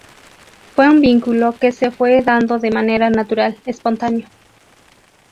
Fue un vínculo que se fue dando de manera natural, espontáneo.